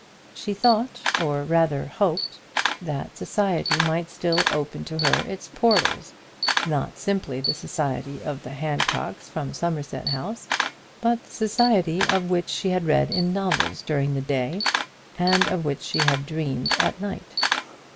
She thought, or rather hoped, that society might still open to her its portals, not simply the society of the Handcocks from Somerset House, but that society of which she had read in novels during the day, and of which she had dreamed at night.